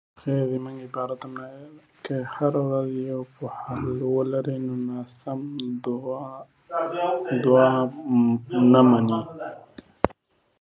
هره ښځه چې پوهاوی ولري، ناسم دود نه مني.